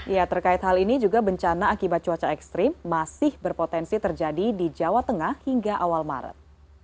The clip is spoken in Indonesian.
ya terkait hal ini juga bencana akibat cuaca ekstrim masih berpotensi terjadi di jawa tengah hingga awal maret